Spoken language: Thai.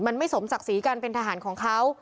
มันไม่สมศักดิ์ศรีการเป็นทหารของเขา